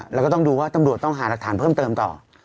แล้วก็ต้องดูว่าตำรวจต้องหารักฐานเพิ่มเติมต่อ